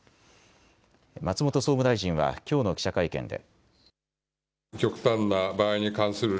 松本総務大臣はきょうの記者会見で。